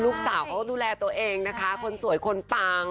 ลูกสาวเขาดูแลตัวเองนะคะคนสวยคนปัง